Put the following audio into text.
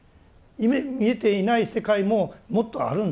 見えていない世界ももっとあるんだ。